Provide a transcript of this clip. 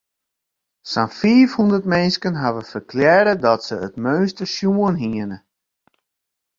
Sa'n fiifhûndert minsken hawwe ferklearre dat se it meunster sjoen hiene.